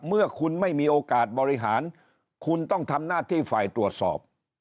เมื่อคุณไม่มีโอกาสบริหารคุณต้องทำหน้าที่ฝ่ายตรวจสอบ